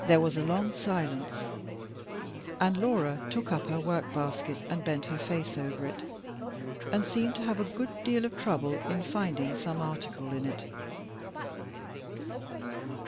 There was a long silence, and Laura took up her work basket, and bent her face over it, and seemed to have a good deal of trouble in finding some article in it.